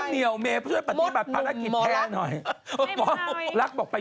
เดี๋ยวเราเอาช็อกกี้กินเป็นหอคกกับข่าวมากี้แล้วกัน